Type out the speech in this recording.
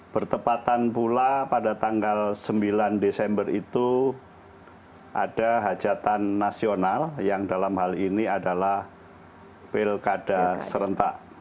bertepatan pula pada tanggal sembilan desember itu ada hajatan nasional yang dalam hal ini adalah pilkada serentak